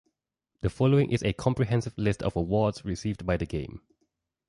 The following is a comprehensive list of awards received by the game.